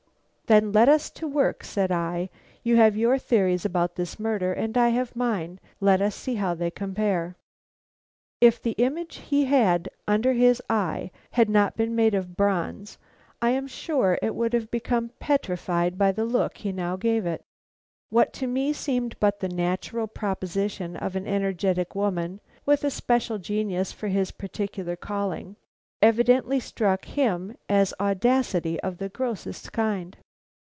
"Then let us to work," said I. "You have your theories about this murder, and I have mine; let us see how they compare." If the image he had under his eye had not been made of bronze, I am sure it would have become petrified by the look he now gave it. What to me seemed but the natural proposition of an energetic woman with a special genius for his particular calling, evidently struck him as audacity of the grossest kind.